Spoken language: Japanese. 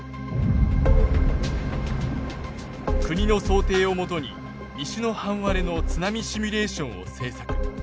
国の想定をもとに西の半割れの津波シミュレーションを制作。